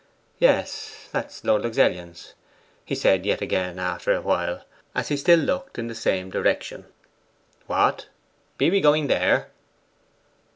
'Yes, that's Lord Luxellian's,' he said yet again after a while, as he still looked in the same direction. 'What, be we going there?